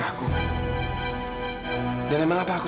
dan emang apa aku bisa menghidupkanmu